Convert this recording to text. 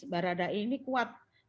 baradai ini kuat